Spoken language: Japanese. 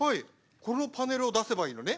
このパネルを出せばいいのね。